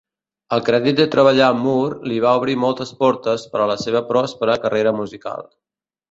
El crèdit de treballar amb Moore li va obrir moltes portes per a la seva pròspera carrera musical.